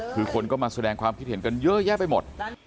คือคนก็มาแสดงความคิดเห็นกันเยอะแยะไปหมด